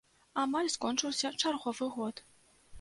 Амаль скончыўся чарговы год.